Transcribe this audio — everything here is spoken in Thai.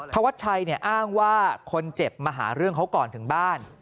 ธวัชชัยอ้างว่าคนเจ็บมาหาเรื่องเขาก่อนถึงบ้าน